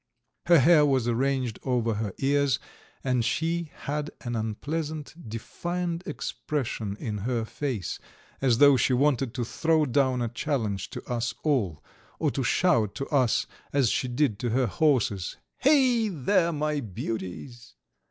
Her hair was arranged over her ears, and she had an unpleasant, defiant expression in her face, as though she wanted to throw down a challenge to us all, or to shout to us as she did to her horses: "Hey, there, my beauties!"